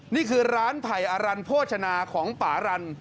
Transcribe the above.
นี่คือร้านไผ่อรันโภชนาของป่ารัน